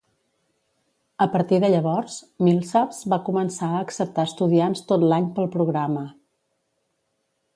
A partir de llavors, Millsaps va començar a acceptar estudiants tot l'any pel programa.